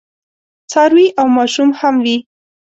څاروي او ماشوم هم وي.